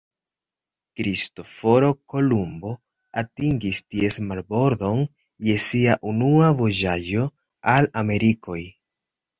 Kristoforo Kolumbo atingis ties marbordon je sia unua vojaĝo al Amerikoj.